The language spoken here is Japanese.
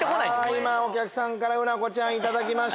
ああ今お客さんからうなこちゃん頂きました。